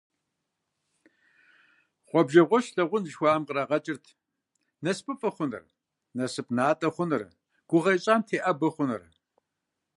«Гъуэбжэгъуэщ лъагъун» жыхуаӏэм кърагъэкӏырт насыпыфӀэ хъуныр, насып натӀэ хъуныр, гугъэ ищӀам теӀэбэу хъуныр.